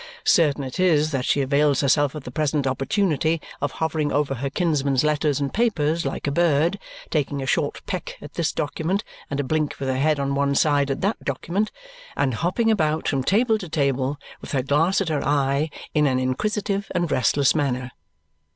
Certain it is that she avails herself of the present opportunity of hovering over her kinsman's letters and papers like a bird, taking a short peck at this document and a blink with her head on one side at that document, and hopping about from table to table with her glass at her eye in an inquisitive and restless manner.